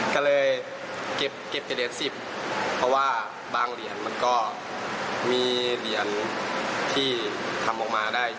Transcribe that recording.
ก็เลยเก็บแต่เหรียญ๑๐เพราะว่าบางเหรียญมันก็มีเหรียญที่ทำออกมาได้